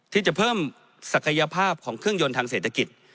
ที่จะเพิ่มศักยภาพของเครื่องยนต์ทางเศรษฐกิจ